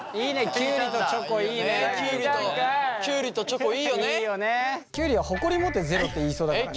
きゅうりは誇り持って０って言いそうだからな。